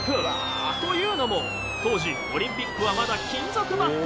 というのも当時オリンピックはまだ金属バット。